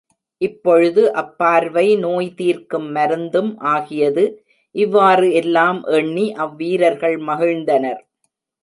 இப்பொழுது அப்பார்வை நோய் தீர்க்கும் மருந்தும் ஆகியது இவ்வாறு எல்லாம் எண்ணி அவ்வீரர்கள் மகிழ்ந்தனர்.